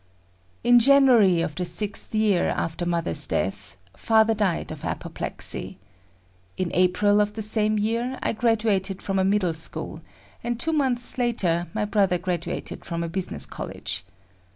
In January of the 6th year after mother's death, father died of apoplexy. In April of the same year, I graduated from a middle school, and two months later, my brother graduated from a business college.